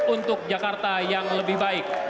untuk jakarta yang lebih baik